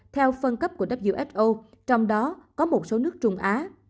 theo phân cấp của who trong đó có một số nước trung á